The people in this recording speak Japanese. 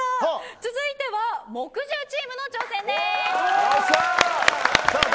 続いては木１０チームの挑戦です。